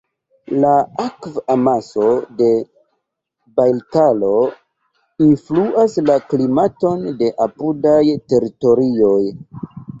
La akv-amaso de Bajkalo influas la klimaton de apudaj teritorioj.